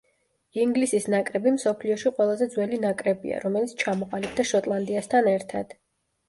ინგლისის ნაკრები მსოფლიოში ყველაზე ძველი ნაკრებია, რომელიც ჩამოყალიბდა შოტლანდიასთან ერთად.